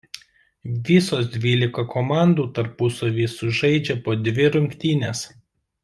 Visos dvylika komandų tarpusavyje sužaidžia po dvi rungtynes.